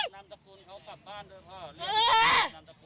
นามตระกูลเขากลับบ้านด้วยพ่อ